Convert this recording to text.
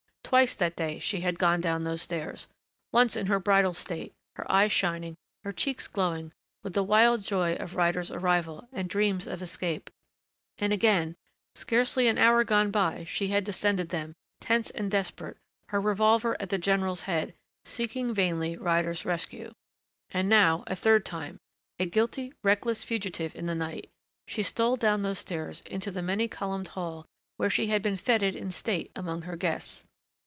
Twice that day she had gone down those stairs. Once in her bridal state, her eyes shining, her cheeks glowing with the wild joy of Ryder's arrival and dreams of escape, and again, scarcely an hour gone by, she had descended them, tense and desperate, her revolver at the general's head, seeking vainly Ryder's rescue. And now a third time, a guilty, reckless fugitive in the night, she stole down those stairs into the many columned hall where she had been fêted in state among her guests.